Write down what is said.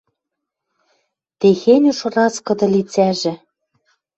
Техень уж раскыды лицӓжӹ.